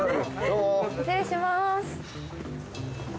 失礼します。